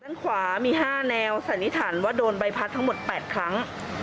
ด้านขวามี๕แนวสันนิษฐานว่าโดนใบพัดทั้งหมด๘ครั้ง